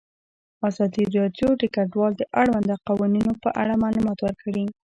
ازادي راډیو د کډوال د اړونده قوانینو په اړه معلومات ورکړي.